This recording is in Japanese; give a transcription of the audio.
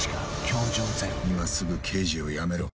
「今すぐ刑事を辞めろ」